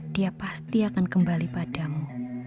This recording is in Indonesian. dia pasti akan kembali padamu